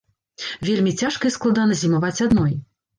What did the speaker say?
Вельмі цяжка і складана зімаваць адной.